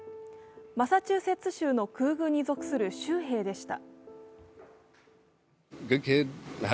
マサチューセッツ州の空軍に属する州兵でした。